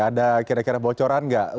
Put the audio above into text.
ada kira kira bocoran nggak